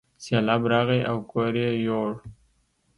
سیلاب راغی او کور یې یووړ.